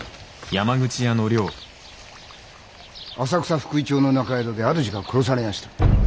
浅草福井町の中宿で主が殺されやした。